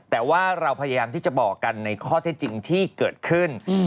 แต่ว่าเราพยายามที่จะบอกกันในข้อเท็จจริงที่เกิดขึ้น